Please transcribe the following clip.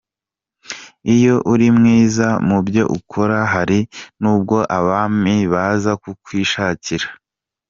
Iyo uri mwiza mu byo ukora, hari n’ubwo abami baza kukwishakira.